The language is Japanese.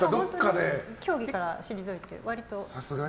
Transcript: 競技から退いて、割とすぐ。